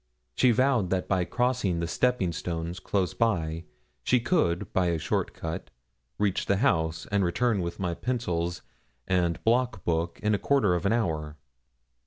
She vowed that by crossing the stepping stones close by she could, by a short cut, reach the house, and return with my pencils and block book in a quarter of an hour.